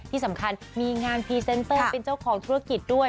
ที่สำคัญมีงานพรีเซนเตอร์เป็นเจ้าของธุรกิจด้วย